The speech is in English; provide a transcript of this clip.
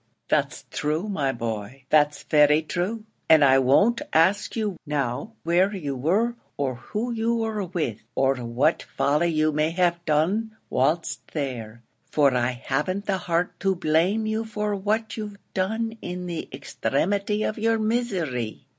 "That's true, my boy that's very true; and I won't ask you now where you were, or who were with you or what folly you may have done whilst there; for I haven't the heart to blame you for what you've done in the extremity of your misery.